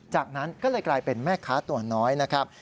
จากนั้นก็เลยกลายเป็นแม่ค้าตัวน้อยนะครับ